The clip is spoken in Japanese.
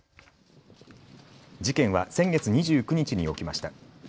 事件は先月２９日に起きました。